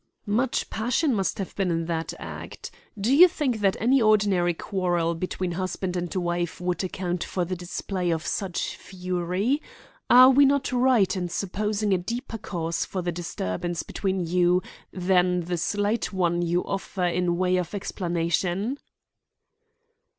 "Much passion must have been in that act. Do you think that any ordinary quarrel between husband and wife would account for the display of such fury? Are we not right in supposing a deeper cause for the disturbance between you than the slight one you offer in way of explanation?"